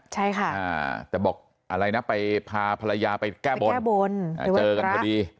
ใช่ค่ะแต่บอกอะไรนะไปพาภรรยาไปแก้บนแก้บนเจอกันพอดี